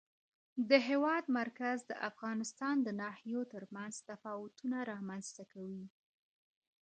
د هېواد مرکز د افغانستان د ناحیو ترمنځ تفاوتونه رامنځته کوي.